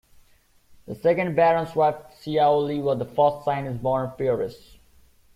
The second Baron's wife, Hsiao Li, was the first Chinese-born peeress.